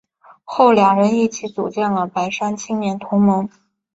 后两人一起组建了白山青年同盟。